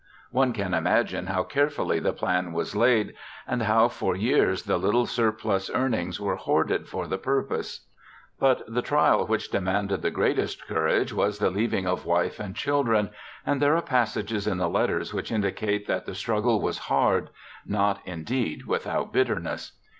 One can imagine how carefully the plan was laid, and how for years the little surplus earnings were hoarded for the purpose. But the trial which demanded the greatest courage was the leaving of wife and children, and there are passages in the letters which indicate that the struggle was hard, not indeed without bitterness.